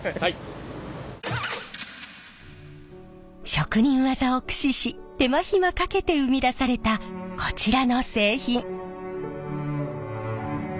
職人技を駆使し手間暇かけて生み出されたこちらの製品。